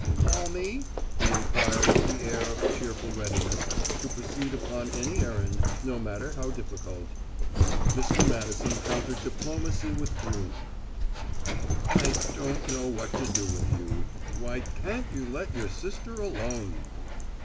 "Call me?" he inquired with the air of cheerful readiness to proceed upon any errand, no matter how difficult. Mr. Madison countered diplomacy with gloom. "I don't know what to do with you. Why can't you let your sister alone?"